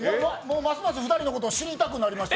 ますます２人のことを知りたくなりました。